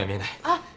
あっ。